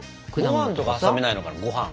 ご飯とか挟めないのかなご飯。